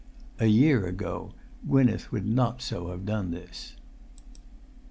A year ago Gwynneth would not have done this.